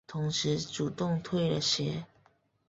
同时主动退了学。